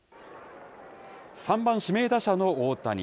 ３番指名打者の大谷。